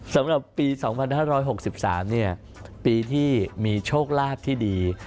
สำหรับปี๒๕๖๓ปีที่มีโชคลาภที่ดี